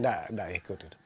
tidak tidak ikut